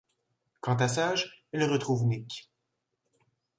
Quant à Sage, elle retrouve Nick.